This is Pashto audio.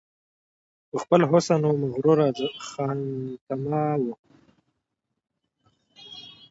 په خپل حسن وه مغروره خانتما وه